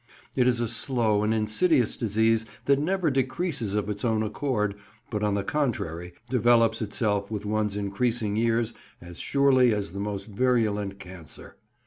It is a slow and insidious disease that never decreases of its own accord, but on the contrary develops itself with one's increasing years as surely as the most virulent cancer.